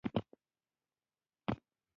زه تلیفون کوم